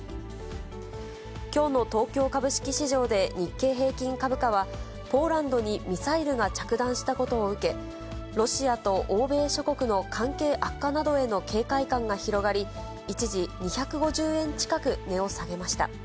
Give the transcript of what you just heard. きょうの東京株式市場で、日経平均株価は、ポーランドにミサイルが着弾したことを受け、ロシアと欧米諸国の関係悪化などへの警戒感が広がり、一時２５０円近く値を下げました。